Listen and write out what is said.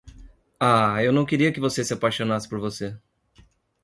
Ah, eu não queria que você se apaixonasse por você!